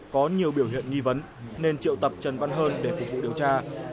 có nhiều biểu hiện nghi vấn nên triệu tập trần văn hơn để phục vụ điều tra